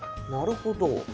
なるほど。